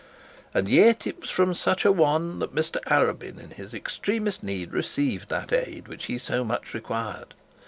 And yet it was from such a one that Mr Arabin in his extremest need received that aid which he so much required.